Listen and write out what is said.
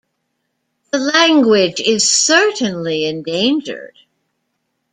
The language is certainly endangered.